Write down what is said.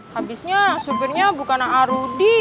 habisnya supirnya bukan a rudi